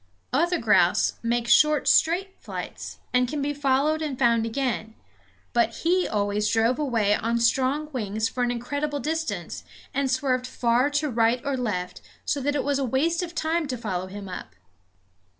Other grouse make short straight flights, and can be followed and found again; but he always drove away on strong wings for an incredible distance, and swerved far to right or left; so that it was a waste of time to follow him up.